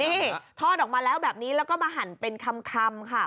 นี่ทอดออกมาแล้วแบบนี้แล้วก็มาหั่นเป็นคำค่ะ